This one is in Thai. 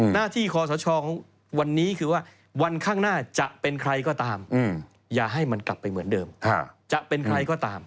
หน้าที่คอสชวันนี้คือว่าวันข้างหน้าจะเป็นใครก็ตามอย่าให้มันกลับไปเหมือนเดิมจะเป็นใครก็ตาม